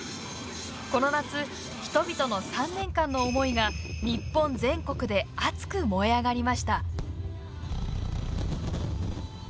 この夏、人々の３年間の思いが日本全国で熱く燃え上がりました。